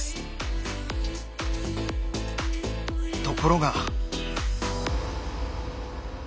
ところが。